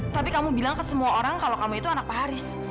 tapi kamu bilang ke semua orang kalau kamu itu anak paharis